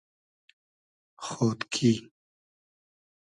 خۉدکی